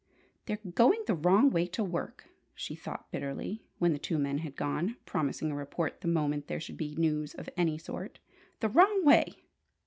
"They're going the wrong way to work!" she thought, bitterly, when the two men had gone, promising a report the moment there should be news of any sort. "The wrong way!